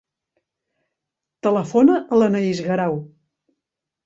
Telefona a l'Anaís Garau.